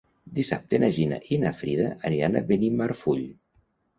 Dissabte na Gina i na Frida aniran a Benimarfull.